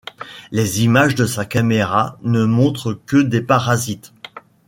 Les images de sa caméra ne montrent que des parasites.